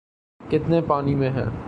‘ کتنے پانی میں ہیں۔